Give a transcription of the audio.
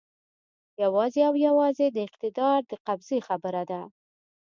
یوازې او یوازې د اقتدار د قبضې خبره ده.